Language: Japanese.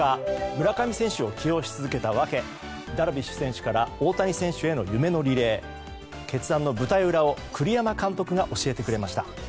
村上選手を起用し続けた訳ダルビッシュ選手から大谷選手への夢のリレー決断の舞台裏を栗山監督が教えてくれました。